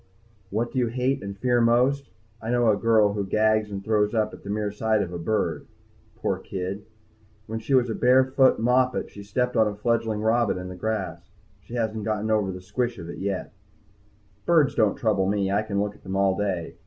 _ What do you hate and fear the most? I know a girl who gags and throws up at the mere sight of a bird. Poor kid, when she was a barefoot moppet she stepped on a fledgling robin in the grass. She hasn't gotten over the squish of it yet. Birds don't trouble me. I can look at them all day.